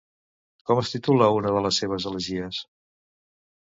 Com es titula una de les seves elegies?